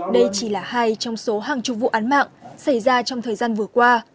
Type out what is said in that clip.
đây chỉ là hai trong số hàng chục vụ án mạng xảy ra trong thời gian vừa qua